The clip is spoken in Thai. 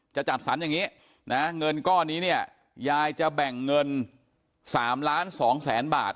จะจัดสรรอย่างนี้นะเงินก้อนนี้เนี่ยยายจะแบ่งเงิน๓ล้าน๒แสนบาท